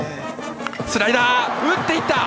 スライダー、打っていった。